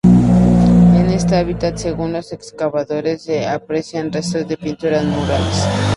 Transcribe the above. En esta habitación, según los excavadores, se apreciaban restos de pinturas murales.